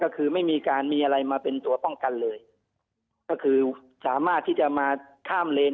ก็คือไม่มีการมีอะไรมาเป็นตัวป้องกันเลยก็คือสามารถที่จะมาข้ามเลน